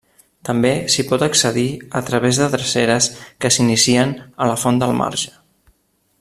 També s'hi pot accedir a través de dreceres que s'inicien a la font del Marge.